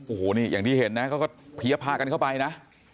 โอ้โหอย่างที่เห็นนะก็เพียรพากันเข้าไปนะ